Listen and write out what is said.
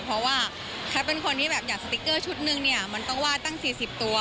เพราะว่าแคทเป็นคนที่แบบอยากสติ๊กเกอร์ชุดนึงเนี่ยมันต้องวาดตั้ง๔๐ตัว